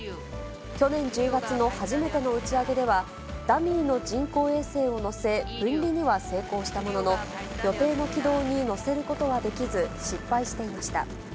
去年１０月の初めての打ち上げでは、ダミーの人工衛星を載せ、分離には成功したものの、予定の軌道に乗せることはできず、失敗していました。